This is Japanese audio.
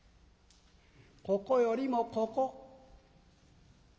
ここよりもここ」。